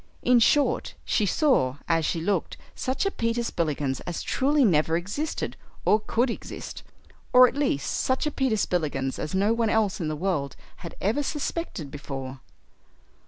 In short, she saw as she looked such a Peter Spillikins as truly never existed, or could exist or at least such a Peter Spillikins as no one else in the world had ever suspected before.